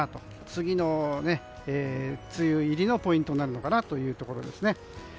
次の梅雨入りのポイントになるのかなというところですね。